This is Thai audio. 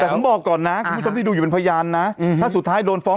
แต่ผมบอกก่อนนะคุณผู้ชมที่ดูอยู่เป็นพยานนะถ้าสุดท้ายโดนฟ้อง